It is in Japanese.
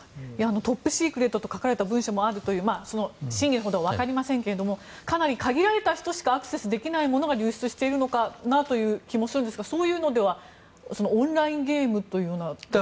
トップシークレットと書かれた文書もあると真偽のほどはわかりませんがかなり限られた人しかアクセスできないものが流出しているのかなという気もするんですがそういうのではオンラインゲームというようなところだと。